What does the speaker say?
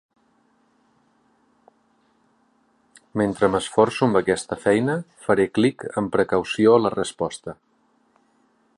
Mentre m'esforço amb aquesta feina, faré clic amb precaució a la resposta!